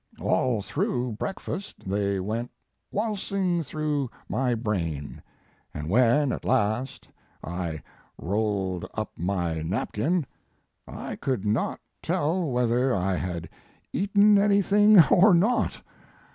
All through breakfast they went waltzing through my brain, and when, at last, I rolled up my napkin, I could not tell whether I had eaten anything or not.